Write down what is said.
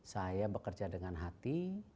saya bekerja dengan hati